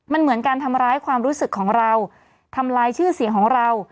มันเหมือนการทำร้ายความรู้สึกของเราทำลายชื่อเสียงของเรา